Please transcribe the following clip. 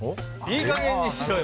「いい加減にしろよ！